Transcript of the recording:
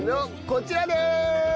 こちらでーす。